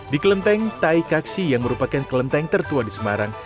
di kelenteng taikaksi yang merupakan kelenteng tertua di semarang